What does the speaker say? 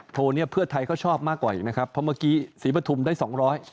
โทรเนี้ยเพื่อไทยก็ชอบมากกว่าอีกนะครับเพราะเมื่อกี้ศรีปฐุมได้สองร้อย